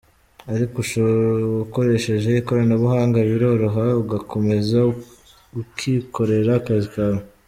Ariko ukoresheje ikoranabuhanga biroroha ugakomeza ukikorera akazi kawe.